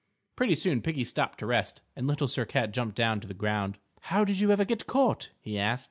Pretty soon Piggie stopped to rest, and Little Sir Cat jumped down to the ground. "How did you ever get caught?" he asked.